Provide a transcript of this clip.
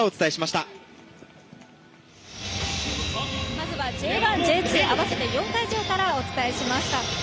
まずはＪ１、Ｊ２合わせて４会場からお伝えしました。